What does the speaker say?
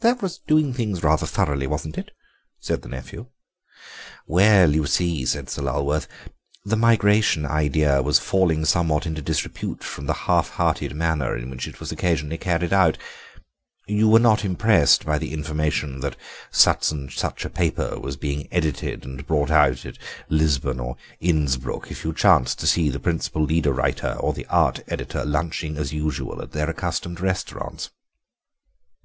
"That was doing things rather thoroughly, wasn't it?" said the nephew. "Well, you see," said Sir Lulworth, "the migration idea was falling somewhat into disrepute from the half hearted manner in which it was occasionally carried out. You were not impressed by the information that such and such a paper was being edited and brought out at Lisbon or Innsbruck if you chanced to see the principal leader writer or the art editor lunching as usual at their accustomed restaurants.